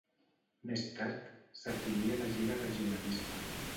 Més tard, s'afilia a la Lliga Regionalista.